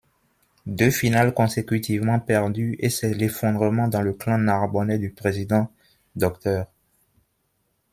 Deux finales consécutivement perdues et c'est l'effondrement dans le clan narbonnais du président Dr.